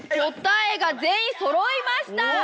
答えが全員そろいました。